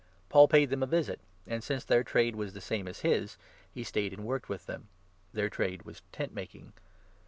Paul paid them a visit, and, since their trade was the 3 same as his, he stayed and worked with them — their trade was tent making